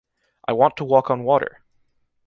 I want to walk on water!